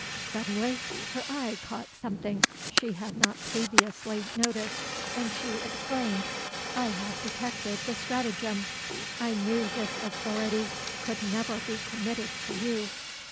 Suddenly her eye caught something she had not previously noticed, and she exclaimed, "I have detected the stratagem. I knew this authority could never be committed to you."